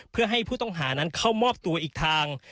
เพื่อให้ผู้ต้องหานั้นเข้ามอบตัวอีกทาง